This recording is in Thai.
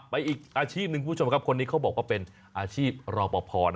อีกอาชีพหนึ่งคุณผู้ชมครับคนนี้เขาบอกว่าเป็นอาชีพรอปภ